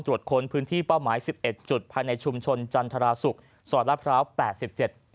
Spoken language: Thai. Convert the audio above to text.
ตรวจค้นพื้นที่เป้าหมายสิบเอ็ดจุดภายในชุมชนจันทราศุกร์สอดละพร้าวแปดสิบเจ็ด